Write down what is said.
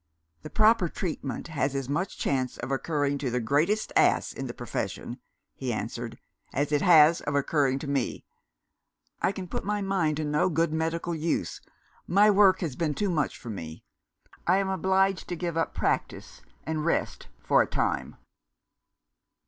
"The proper treatment has as much chance of occurring to the greatest ass in the profession," he answered, "as it has of occurring to me. I can put my mind to no good medical use; my work has been too much for me. I am obliged to give up practice, and rest for a time."